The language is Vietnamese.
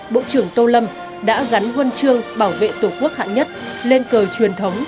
bộ trưởng tô lâm đã gắn quân trương bảo vệ tổ quốc hạng nhất lên cờ truyền thống